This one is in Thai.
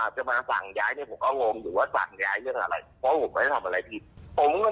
เรื่องนี้เทมข่าวของเราไปตรวจสอบเพิ่มเติมนะคะ